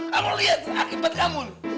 kamu lihat akibat kamu